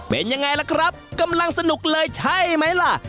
เป็นยังไงล่ะครับกำลังสนุกเลยใช่ไหมล่ะ